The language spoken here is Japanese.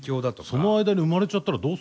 その間に生まれちゃったらどうするの？